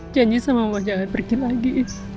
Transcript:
janji sama allah jangan pergi lagi